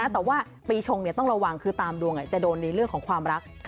แต่ว่าปีชงต้องระวังคือตามดวงจะโดนในเรื่องของความรัก